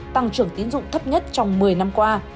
tăng trưởng tiến dụng thấp nhất trong một mươi năm qua